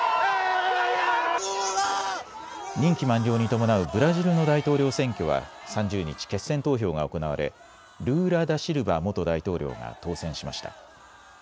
任期満了に伴うブラジルの大統領選挙は３０日、決選投票が行われ、ルーラ・ダシルバ元大統領が当選しました。